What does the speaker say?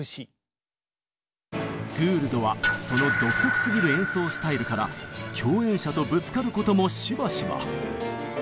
グールドはその独特すぎる演奏スタイルから共演者とぶつかることもしばしば。